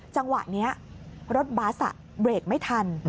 จังหวะนี้รถบัสเบรกไม่ทัน